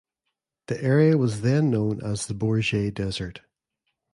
The area was then known as the Bourget Desert.